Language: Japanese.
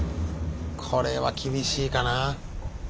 これは厳しいかな。